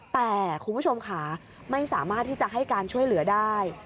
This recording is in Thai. แต่คุณผู้ชมค่ะไม่สามารถที่จะให้การช่วยเหลือได้